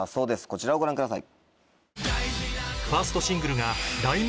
こちらをご覧ください。